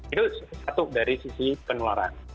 itu satu dari sisi penularan